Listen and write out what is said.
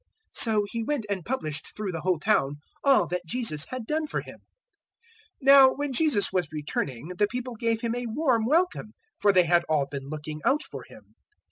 So he went and published through the whole town all that Jesus had done for him. 008:040 Now when Jesus was returning, the people gave Him a warm welcome; for they had all been looking out for Him.